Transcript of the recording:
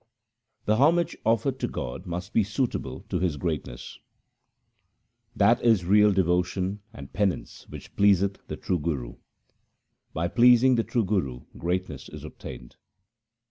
1 The homage offered to God must be suitable to His greatness :— That is real devotion and penance which pleaseth the True Guru. By pleasing the True Guru greatness is obtained.